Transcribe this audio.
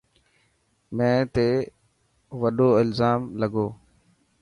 مين تي وڏو الزام لڳو.